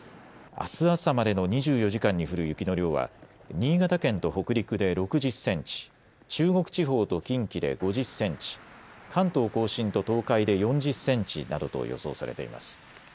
あす朝までの２４時間に降る雪の量は新潟県と北陸で６０センチ、中国地方と近畿で５０センチ、関東甲信と東海で４０センチなどと予想されています。